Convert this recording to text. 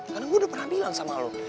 karena gua udah pernah bilang sama lu